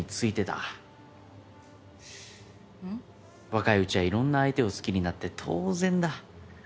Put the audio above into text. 若いうちはいろんな相手を好きになって当然だ。